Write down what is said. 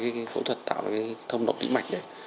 tạo ra cái phẫu thuật tạo ra cái thông độ tĩ mạch đấy